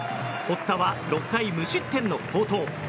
堀田は６回無失点の好投。